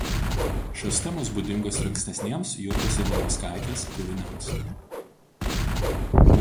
Šios temos būdingos ir ankstesniems Jurgos Ivanauskaitės kūriniams.